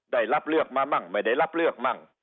ได้รับเลือกมามั่งไม่ได้รับเลือกมั่ง